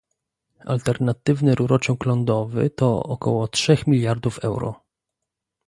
Alternatywny rurociąg lądowy to około trzech miliardów euro